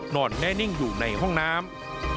นอนแน่นิ่งอยู่ในห้องน้ำ